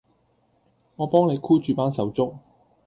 我幫你箍住班手足